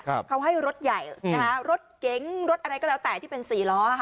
เขาให้รถใหญ่นะคะรถเก๋งรถอะไรก็แล้วแต่ที่เป็นสี่ล้อค่ะ